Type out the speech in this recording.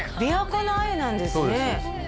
琵琶湖の鮎なんですね